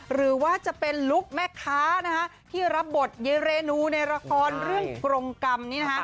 หรือว่าจะเป็นลุคแม่ค้าที่รับบทเยเรนูในละครเรื่องกรงกรรมนี้นะคะ